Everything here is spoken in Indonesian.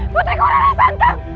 putriku lelah santan